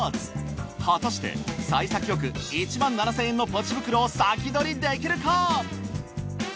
果たして幸先よく１７，０００円のポチ袋を先取りできるか！？